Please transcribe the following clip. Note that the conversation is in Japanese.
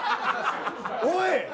おい！